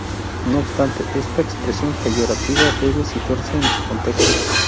No obstante, esta expresión peyorativa debe situarse en su contexto.